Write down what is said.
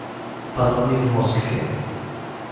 Panowie w Moskwie